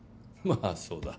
まあそうだ。